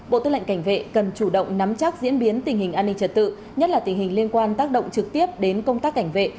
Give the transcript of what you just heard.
bộ tư lệnh cảnh vệ cần chủ động nắm chắc diễn biến tình hình an ninh trật tự nhất là tình hình liên quan tác động trực tiếp đến công tác cảnh vệ